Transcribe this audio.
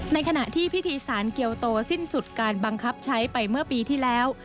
ในขณะที่พิธีสารเกียวโตสิ้นสุดการบังคับใช้ไปเมื่อปีที่แล้ว